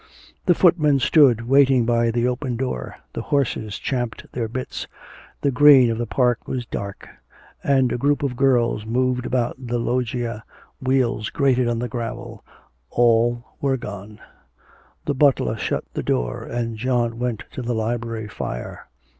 The footmen stood waiting by the open door, the horses champed their bits, the green of the park was dark, and a group of girls moved about the loggia, wheels grated on the gravel... all were gone! The butler shut the door, and John went to the library fire.